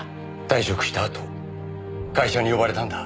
退職したあと会社に呼ばれたんだ。